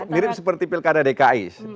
mirip seperti pilkada dki